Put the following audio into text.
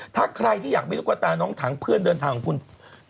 ถ้าใครที่อยากมีลูกตาน้องถังเพื่อนเดินทางของคุณ